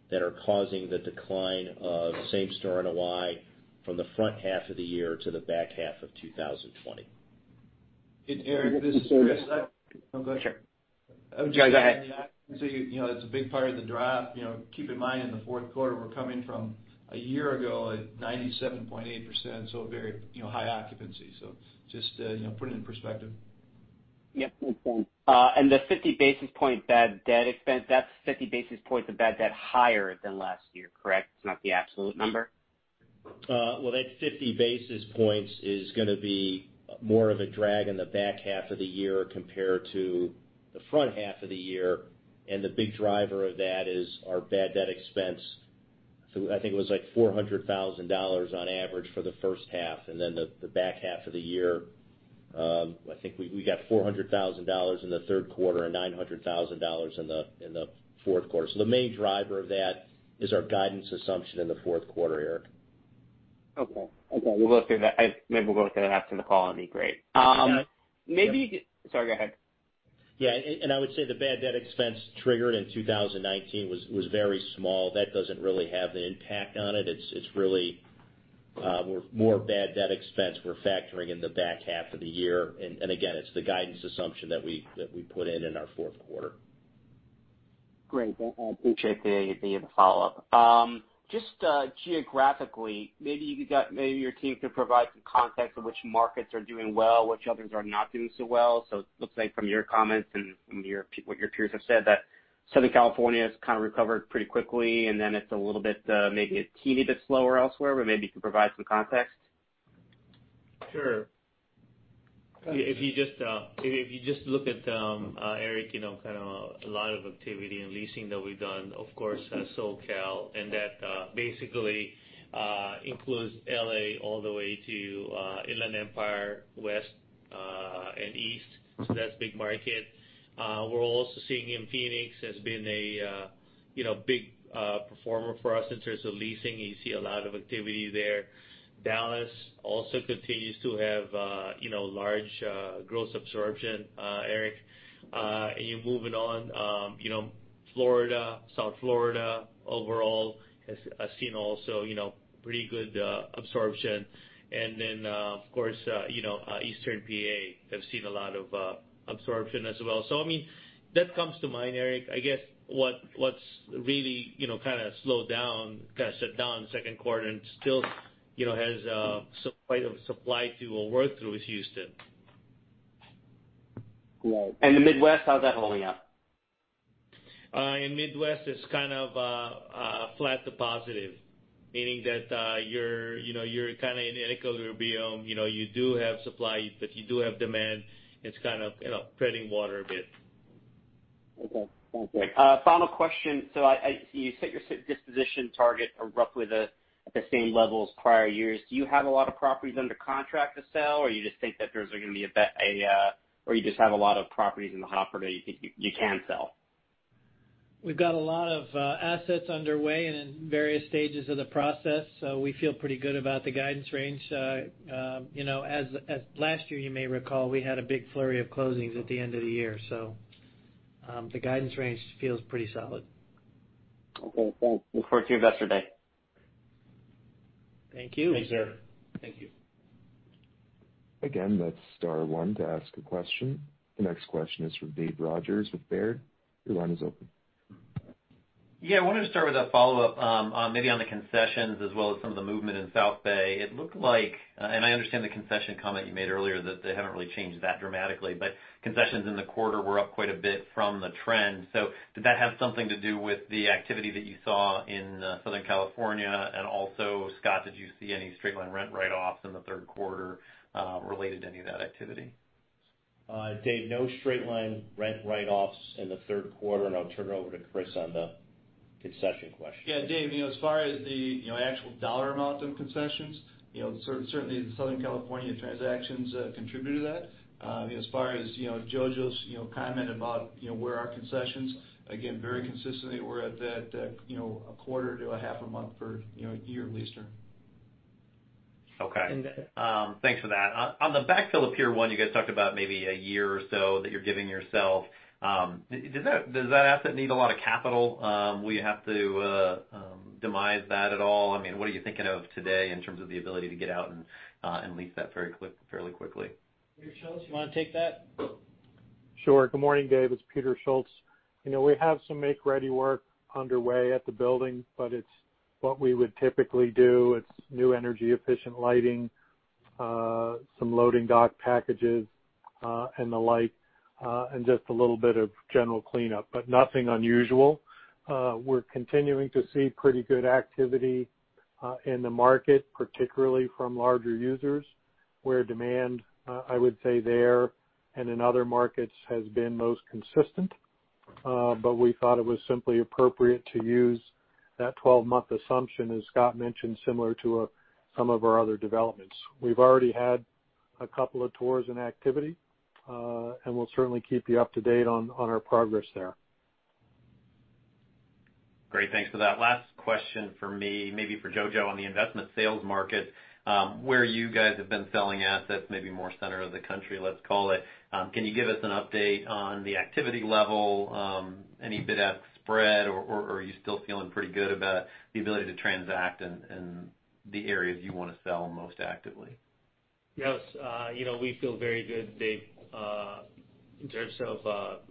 S4: that are causing the decline of same-store NOI from the front half of the year to the back half of 2020.
S9: Hey Eric, this is Chris. Go ahead.
S13: Sure. Go ahead.
S9: The occupancy, it's a big part of the drop. Keep in mind, in the fourth quarter, we're coming from a year ago at 97.8%, so a very high occupancy. Just to put it in perspective.
S13: Yep. The 50 basis point bad debt expense, that's 50 basis points of bad debt higher than last year, correct? It's not the absolute number?
S4: That 50 basis points is going to be more of a drag in the back half of the year compared to the front half of the year, and the big driver of that is our bad debt expense. I think it was like $400,000 on average for the first half, and then the back half of the year, I think we got $400,000 in the third quarter and $900,000 in the fourth quarter. The main driver of that is our guidance assumption in the fourth quarter, Eric.
S13: Okay. We'll go through that. Maybe we'll go through that after the call. That'd be great.
S4: Yeah.
S13: Maybe Sorry, go ahead.
S4: Yeah. I would say the bad debt expense triggered in 2019 was very small. That doesn't really have an impact on it. It's really more bad debt expense we're factoring in the back half of the year. Again, it's the guidance assumption that we put in in our fourth quarter.
S13: Great. I appreciate the follow-up. Just geographically, maybe your team could provide some context of which markets are doing well, which others are not doing so well. It looks like from your comments and from what your peers have said, that Southern California's kind of recovered pretty quickly, and then it's a little bit, maybe a teeny bit slower elsewhere. Maybe you could provide some context.
S7: Sure. If you just look at, Eric, kind of a lot of activity and leasing that we've done, of course, SoCal, and that basically includes L.A. all the way to Inland Empire, west and east. That's a big market. We're also seeing in Phoenix has been a big performer for us in terms of leasing. You see a lot of activity there. Dallas also continues to have large gross absorption, Eric. Moving on, Florida, South Florida overall has seen also pretty good absorption. Of course, Eastern P.A. has seen a lot of absorption as well. That comes to mind, Eric. I guess what's really kind of slowed down, kind of shut down second quarter and still has quite a supply to work through is Houston.
S13: Right. The Midwest, how's that holding up?
S7: In Midwest, it's kind of flat to positive, meaning that you're kind of in equilibrium. You do have supply, you do have demand. It's kind of treading water a bit.
S13: Okay. Thank you. Final question. You set your disposition target roughly at the same level as prior years. Do you have a lot of properties under contract to sell, or you just have a lot of properties in the hopper that you think you can sell?
S3: We've got a lot of assets underway and in various stages of the process. We feel pretty good about the guidance range. As last year, you may recall, we had a big flurry of closings at the end of the year, the guidance range feels pretty solid.
S13: Okay, thanks. Look forward to your investor day.
S3: Thank you.
S4: Thanks, sir.
S7: Thank you.
S1: Again, that's star one to ask a question. The next question is from Dave Rodgers with Robert W. Baird & Co. Your line is open.
S14: Yeah. I wanted to start with a follow-up maybe on the concessions as well as some of the movement in South Bay. It looked like, and I understand the concession comment you made earlier, that they haven't really changed that dramatically, but concessions in the quarter were up quite a bit from the trend. Did that have something to do with the activity that you saw in Southern California? Also, Scott, did you see any straight-line rent write-offs in the third quarter related to any of that activity?
S4: Dave, no straight-line rent write-offs in the third quarter, and I'll turn it over to Chris on the concession question.
S9: Yeah. Dave, as far as the actual dollar amount of concessions, certainly the Southern California transactions contribute to that. As far as Jojo's comment about where are concessions, again, very consistently we're at that a quarter to a half a month per year lease term.
S14: Okay. Thanks for that. On the backfill of Pier 1, you guys talked about maybe a year or so that you're giving yourself. Does that asset need a lot of capital? Will you have to demise that at all? What are you thinking of today in terms of the ability to get out and lease that fairly quickly?
S3: Peter Schultz, you want to take that?
S10: Sure. Good morning, Dave. It's Peter Schultz. We have some make-ready work underway at the building, but it's what we would typically do. It's new energy-efficient lighting, some loading dock packages, and the like, and just a little bit of general cleanup, but nothing unusual. We're continuing to see pretty good activity in the market, particularly from larger users, where demand, I would say there and in other markets, has been most consistent. We thought it was simply appropriate to use that 12-month assumption, as Scott mentioned, similar to some of our other developments. We've already had a couple of tours and activity. We'll certainly keep you up to date on our progress there.
S14: Great. Thanks for that. Last question from me, maybe for Jojo on the investment sales market. Where you guys have been selling assets, maybe more center of the country, let's call it. Can you give us an update on the activity level? Any bid ask spread, or are you still feeling pretty good about the ability to transact in the areas you want to sell most actively?
S7: Yes. We feel very good, Dave, in terms of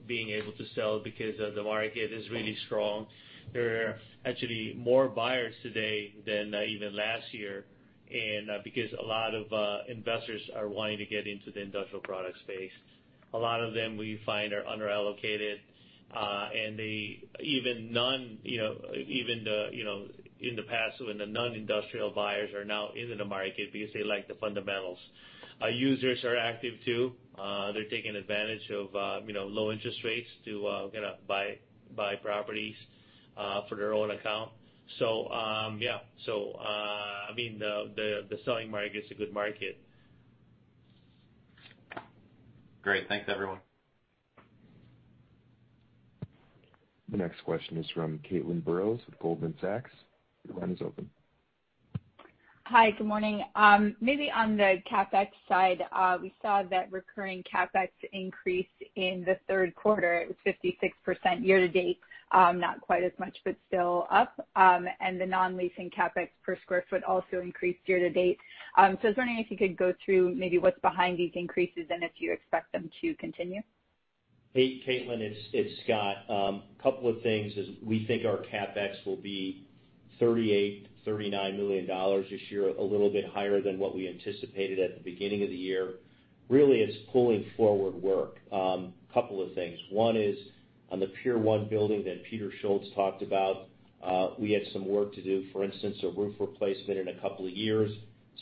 S7: being able to sell because the market is really strong. There are actually more buyers today than even last year. Because a lot of investors are wanting to get into the industrial product space. A lot of them, we find, are under-allocated. Even the past, when the non-industrial buyers are now into the market because they like the fundamentals. Our users are active too. They're taking advantage of low interest rates to buy properties for their own account. Yeah. The selling market is a good market.
S14: Great. Thanks, everyone.
S1: The next question is from Caitlin Burrows with Goldman Sachs. Your line is open.
S15: Hi, good morning. Maybe on the CapEx side we saw that recurring CapEx increased in the third quarter. It was 56% year-to-date, not quite as much, but still up. The non-leasing CapEx per sq ft also increased year-to-date. I was wondering if you could go through maybe what's behind these increases and if you expect them to continue.
S4: Hey, Caitlin, it's Scott. Couple of things is we think our CapEx will be $38 million, $39 million this year, a little bit higher than what we anticipated at the beginning of the year. Really, it's pulling forward work. Couple of things. One is on the Pier 1 building that Peter Schultz talked about. We had some work to do, for instance, a roof replacement in a couple of years.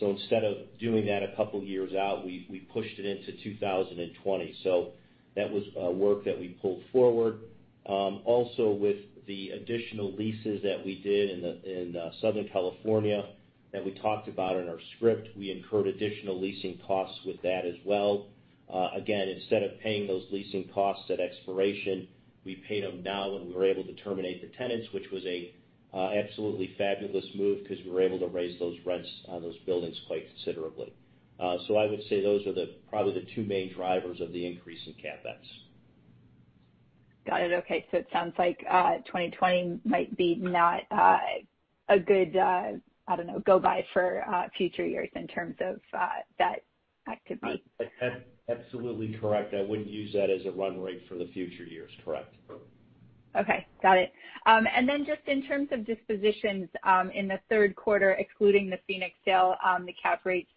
S4: Instead of doing that a couple of years out, we pushed it into 2020. That was work that we pulled forward. Also, with the additional leases that we did in Southern California that we talked about in our script, we incurred additional leasing costs with that as well. Instead of paying those leasing costs at expiration, we paid them now when we were able to terminate the tenants, which was a absolutely fabulous move because we were able to raise those rents on those buildings quite considerably. I would say those are probably the two main drivers of the increase in CapEx.
S15: Got it. Okay. It sounds like 2020 might be not a good go-by for future years in terms of that activity.
S4: Absolutely correct. I wouldn't use that as a run rate for the future years. Correct.
S15: Okay. Got it. Just in terms of dispositions in the third quarter, excluding the Phoenix sale, the cap rates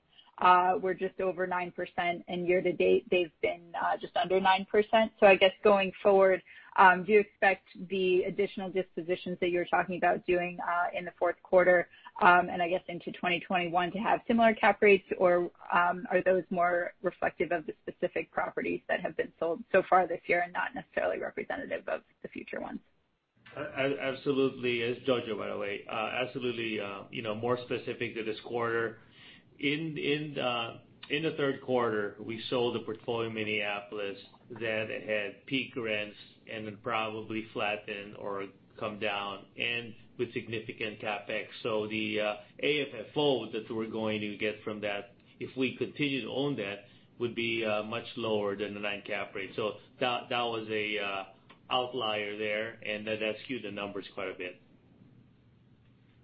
S15: were just over 9%, and year-to-date, they've been just under 9%. I guess going forward, do you expect the additional dispositions that you're talking about doing in the fourth quarter, and I guess into 2021, to have similar cap rates, or are those more reflective of the specific properties that have been sold so far this year and not necessarily representative of the future ones?
S7: Absolutely. It's Jojo, by the way. Absolutely, more specific to this quarter. In the third quarter, we sold a portfolio in Minneapolis that had peak rents and then probably flattened or come down, and with significant CapEx. The AFFO that we're going to get from that, if we continue to own that, would be much lower than the nine cap rate. That was an outlier there, and that skewed the numbers quite a bit.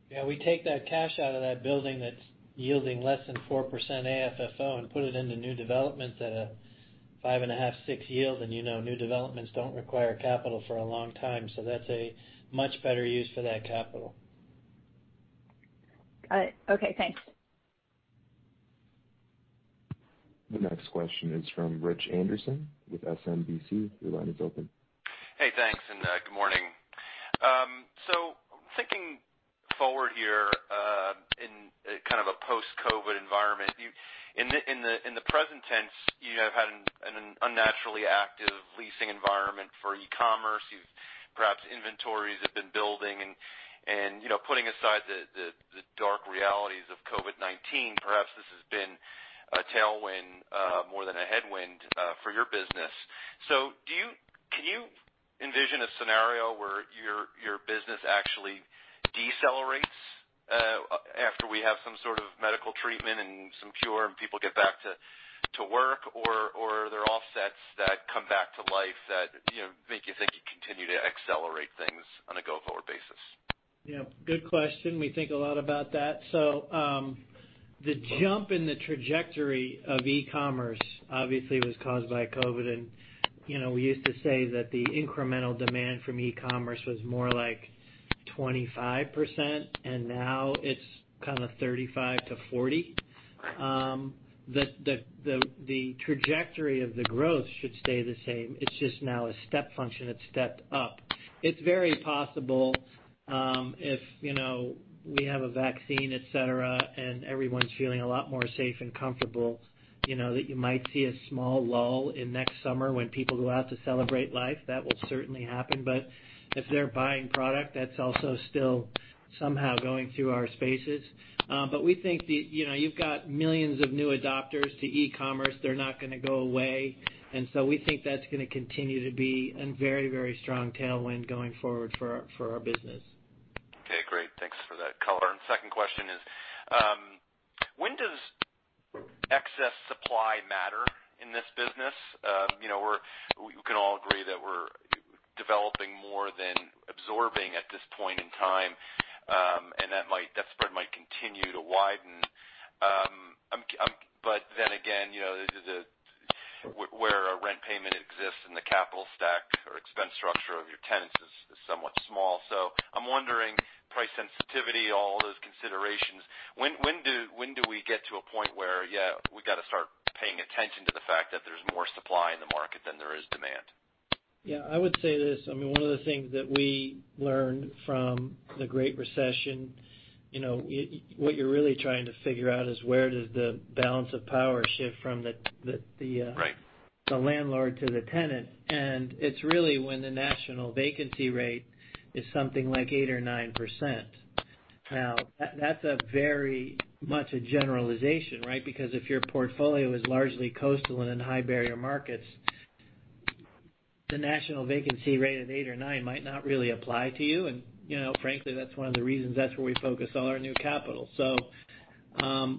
S3: Yeah, we take that cash out of that building that's yielding less than 4% AFFO and put it into new developments at a 5.5%, 6% yield. New developments don't require capital for a long time, so that's a much better use for that capital.
S15: Got it. Okay, thanks.
S1: The next question is from Rich Anderson with SMBC Nikko Securities America. Your line is open.
S16: Hey, thanks, and good morning. Thinking forward here in kind of a post-COVID-19 environment. In the present tense, you have had an unnaturally active leasing environment for e-commerce. Perhaps inventories have been building. Putting aside the dark realities of COVID-19, perhaps this has been a tailwind more than a headwind for your business. Can you envision a scenario where your business actually decelerates after we have some sort of medical treatment and some cure, and people get back to work? Are there offsets that come back to life that make you think you continue to accelerate things on a go-forward basis?
S3: Yeah, good question. We think a lot about that. The jump in the trajectory of e-commerce obviously was caused by COVID. We used to say that the incremental demand from e-commerce was more like 25%, and now it's kind of 35%-40%. The trajectory of the growth should stay the same. It's just now a step function. It's stepped up. It's very possible if we have a vaccine, et cetera, and everyone's feeling a lot more safe and comfortable, that you might see a small lull in next summer when people go out to celebrate life. That will certainly happen. If they're buying product, that's also still somehow going through our spaces. We think that you've got millions of new adopters to e-commerce. They're not going to go away. We think that's going to continue to be a very, very strong tailwind going forward for our business.
S16: Okay, great. Thanks for that color. Second question is, when does excess supply matter in this business? We can all agree that we're developing more than absorbing at this point in time, and that spread might continue to widen. Where a rent payment exists in the capital stack or expense structure of your tenants is somewhat small. I'm wondering, price sensitivity, all those considerations. When do we get to a point where we've got to start paying attention to the fact that there's more supply in the market than there is demand?
S3: I would say this. One of the things that we learned from the Great Recession, what you're really trying to figure out is where does the balance of power shift from the.
S16: Right
S3: The landlord to the tenant. It's really when the national vacancy rate is something like 8% or 9%. That's very much a generalization, right? Because if your portfolio is largely coastal and in high-barrier markets, the national vacancy rate of eight or nine might not really apply to you. Frankly, that's one of the reasons that's where we focus all our new capital.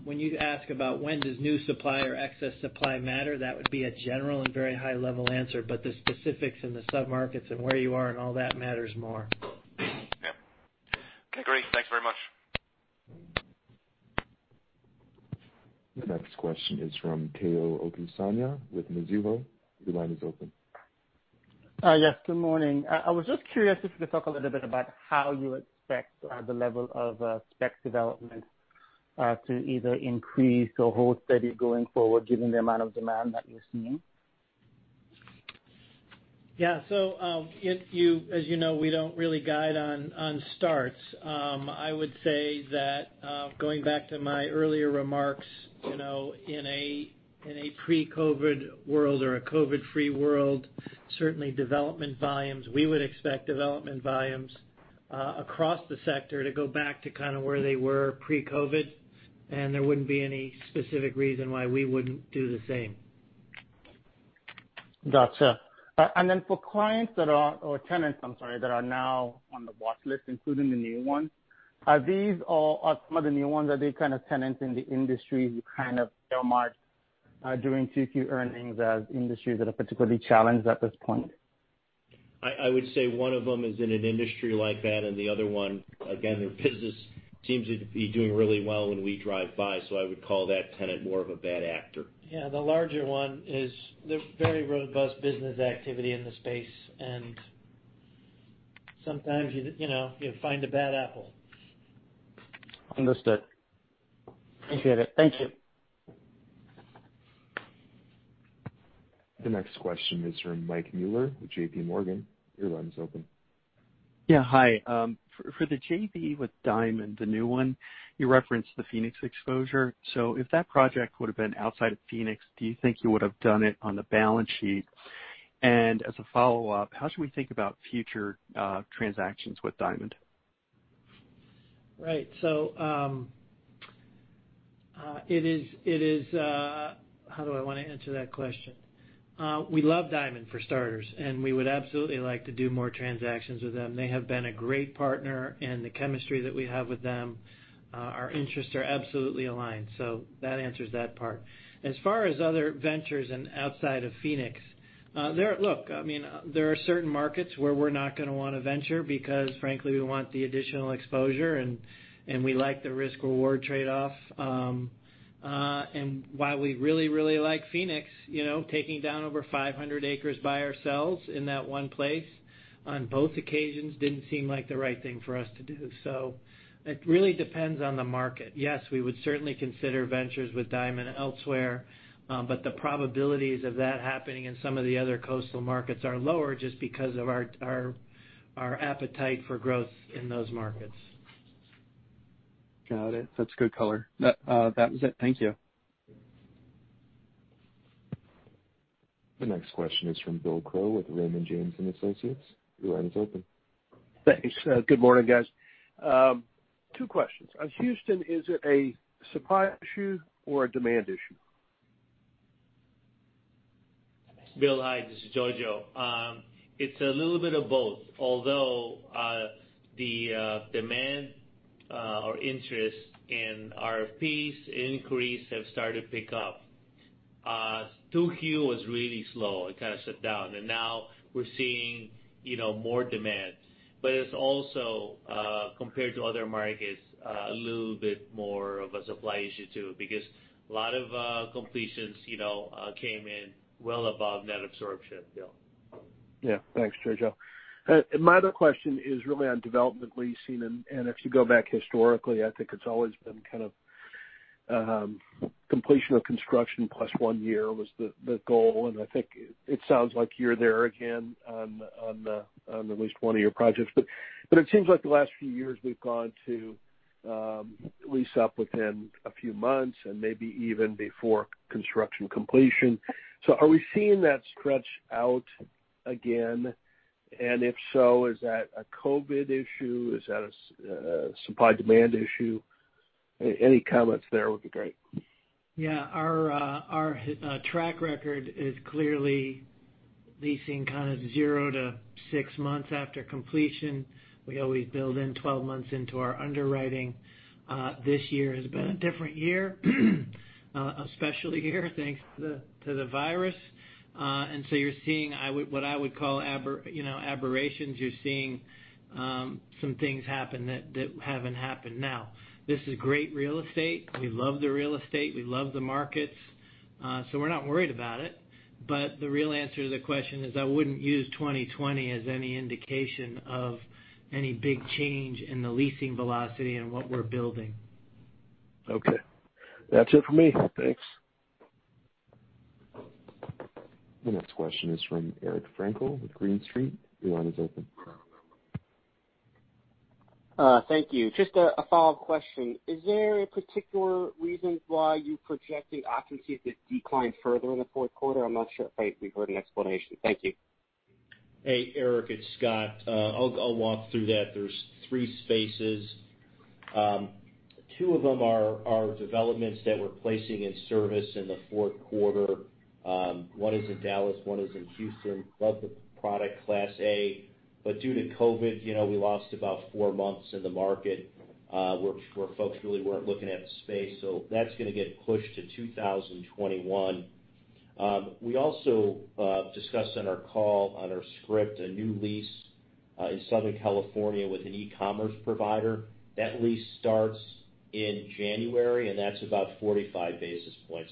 S3: When you ask about when does new supply or excess supply matter, that would be a general and very high-level answer, but the specifics in the sub-markets and where you are and all that matters more.
S16: Yeah. Okay, great. Thanks very much.
S1: The next question is from Tayo Okusanya with Mizuho. Your line is open.
S17: Yes, good morning. I was just curious if you could talk a little bit about how you expect the level of spec development to either increase or hold steady going forward given the amount of demand that you're seeing?
S3: Yeah. As you know, we don't really guide on starts. I would say that going back to my earlier remarks, in a pre-COVID world or a COVID-free world, certainly development volumes, we would expect development volumes across the sector to go back to kind of where they were pre-COVID, and there wouldn't be any specific reason why we wouldn't do the same.
S17: Got you. For clients that are, or tenants, I am sorry, that are now on the watch list, including the new ones. Are some of the new ones, are they kind of tenants in the industry you kind of earmarked during 2Q earnings as industries that are particularly challenged at this point?
S7: I would say one of them is in an industry like that, and the other one, again, their business seems to be doing really well when we drive by. I would call that tenant more of a bad actor.
S3: Yeah, the larger one is there's very robust business activity in the space. Sometimes you find a bad apple.
S17: Understood. Appreciate it. Thank you.
S1: The next question is from Mike Mueller with JPMorgan. Your line is open.
S18: Yeah, hi. For the JV with Diamond Realty Investments, the new one, you referenced the Phoenix exposure. If that project would've been outside of Phoenix, do you think you would've done it on the balance sheet? As a follow-up, how should we think about future transactions with Diamond?
S3: Right. How do I want to answer that question? We love Diamond, for starters, and we would absolutely like to do more transactions with them. They have been a great partner, and the chemistry that we have with them, our interests are absolutely aligned. That answers that part. As far as other ventures and outside of Phoenix, look, there are certain markets where we're not going to want to venture because frankly we want the additional exposure and we like the risk-reward trade-off. While we really, really like Phoenix, taking down over 500 acres by ourselves in that one place on both occasions didn't seem like the right thing for us to do. It really depends on the market. Yes, we would certainly consider ventures with Diamond Realty Investments elsewhere. The probabilities of that happening in some of the other coastal markets are lower just because of our appetite for growth in those markets.
S18: Got it. That's good color. That was it. Thank you.
S1: The next question is from Bill Crow with Raymond James Financial. Your line is open.
S19: Thanks. Good morning, guys. Two questions. On Houston, is it a supply issue or a demand issue?
S7: Bill, hi, this is Jojo. It's a little bit of both, although the demand or interest in RFPs increase have started to pick up. 2Q was really slow. It kind of shut down. Now we're seeing more demand. It's also, compared to other markets, a little bit more of a supply issue too, because a lot of completions came in well above net absorption, Bill.
S19: Thanks, Jojo. My other question is really on development leasing, and if you go back historically, I think it's always been kind of completion of construction plus one year was the goal, and I think it sounds like you're there again on at least one of your projects. It seems like the last few years we've gone to lease up within a few months and maybe even before construction completion. Are we seeing that stretch out again, and if so, is that a COVID issue? Is that a supply-demand issue? Any comments there would be great.
S3: Yeah. Our track record is clearly leasing kind of zero-six months after completion. We always build in 12 months into our underwriting. This year has been a different year, a special year, thanks to the virus. You're seeing what I would call aberrations. You're seeing some things happen that haven't happened. Now, this is great real estate. We love the real estate, we love the markets. We're not worried about it. The real answer to the question is I wouldn't use 2020 as any indication of any big change in the leasing velocity and what we're building.
S19: Okay. That's it for me. Thanks.
S1: The next question is from Eric Frankel with Green Street. Your line is open.
S13: Thank you. Just a follow-up question. Is there a particular reason why you projected occupancies to decline further in the fourth quarter? I'm not sure if I heard an explanation. Thank you.
S4: Hey, Eric, it's Scott. I'll walk through that. There's three spaces. Two of them are developments that we're placing in service in the fourth quarter. One is in Dallas, one is in Houston. Love the product, Class A. Due to COVID, we lost about four months in the market, where folks really weren't looking at space. That's going to get pushed to 2021. We also discussed on our call, on our script, a new lease in Southern California with an e-commerce provider. That lease starts in January, and that's about 45 basis points.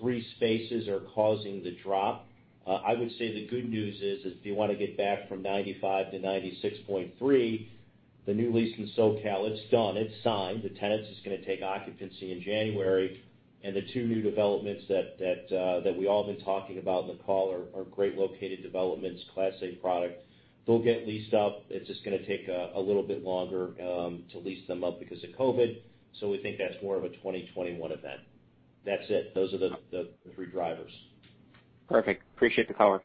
S4: Those three spaces are causing the drop. I would say the good news is, if you want to get back from 95-96.3, the new lease in SoCal, it's done. It's signed. The tenant is going to take occupancy in January. The two new developments that we all have been talking about on the call are great located developments, Class A product. They'll get leased up. It's just going to take a little bit longer to lease them up because of COVID. We think that's more of a 2021 event. That's it. Those are the three drivers.
S13: Perfect. Appreciate the color.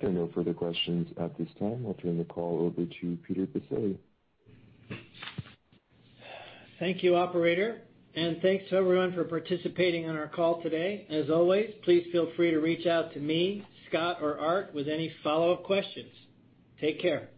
S1: There are no further questions at this time. I'll turn the call over to Peter Baccile.
S3: Thank you, operator, and thanks to everyone for participating on our call today. As always, please feel free to reach out to me, Scott, or Art with any follow-up questions. Take care.